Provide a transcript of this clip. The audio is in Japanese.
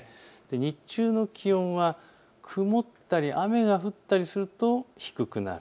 日中の気温は曇ったり雨が降ったりすると低くなる。